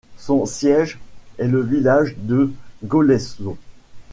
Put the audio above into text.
Son siège est le village de Goleszów.